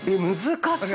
難しいな。